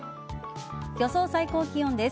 予想最高気温です。